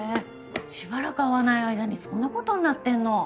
しばらく会わない間にそんなことになってんの？